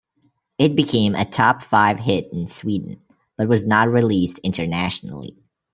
It became a top five hit in Sweden, but was not released internationally.